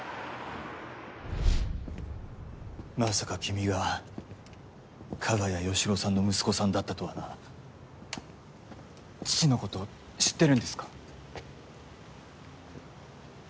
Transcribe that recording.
まさか君が加賀谷喜朗さんの息子さんだったとはな父のこと知ってるんですか？